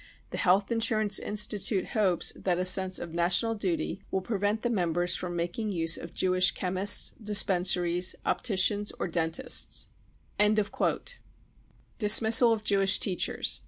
The Health Insurance Institute hopes that a sense of national duty will prevent the members from making use of Jewish chemists, dispensaries, opticians, or dentists." Dismissal of Jewish Teachers.